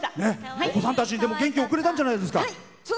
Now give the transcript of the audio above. お子さんたちに元気、送れたんじゃないですか。